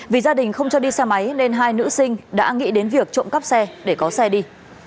vì gia đình không cho đi xe máy nên hai nữ sinh đã nghĩ đến việc trộm cắp xe để có xe đi